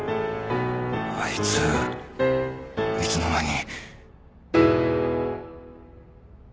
あいついつの間に。